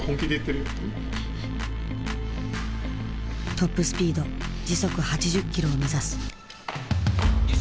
トップスピード時速８０キロを目指す。